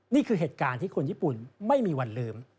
นี่คือเหตุการณ์ที่คนญี่ปุ่นไม่มีวันลืม